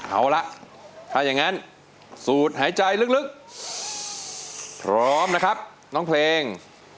เอาละถ้าอย่างนั้นสูดหายใจลึกพร้อมนะครับน้องเพลง